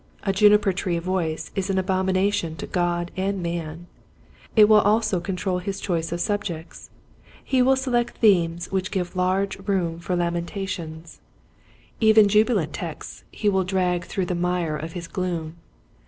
A juniper tree voice is an abomination to God and man. It will also control his choice of subjects. He will select themes which give large room for lamentations. Despondency. 77 Even jubilant texts he will drag through the mire of his gloom.